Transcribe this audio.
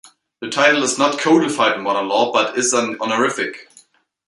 The title is not codified in modern law but is an honorific.